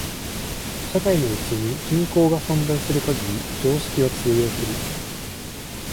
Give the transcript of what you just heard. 社会のうちに均衡が存在する限り常識は通用する。